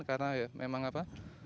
karena ya memang apa